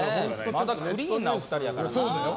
クリーンなお二人やからな。